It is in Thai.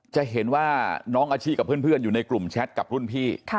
จะเห็นว่าน้องอาชีพกับเพื่อนอยู่ในกลุ่มแชทกับรุ่นพี่